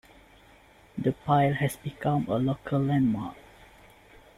The pile has become a local landmark.